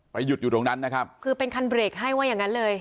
หยุดอยู่ตรงนั้นนะครับคือเป็นคันเบรกให้ว่าอย่างงั้นเลย